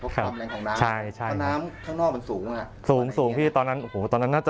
ความแรงของน้ำ